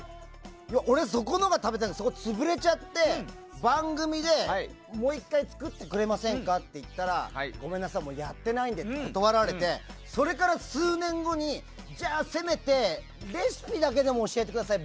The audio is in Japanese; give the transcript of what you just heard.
俺、そこのが食べたいのにそこが潰れちゃって番組でもう１回作ってくれませんかって言ったらごめんなさいやってないんでって断られてそれから数年後にじゃあ、せめてレシピだけでも教えてください